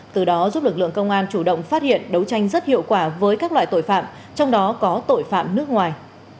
từ đó giúp lực lượng công an chủ động phát hiện đấu tranh rất hiệu quả với các loại tội phạm trong đó có tội phạm nước ngoài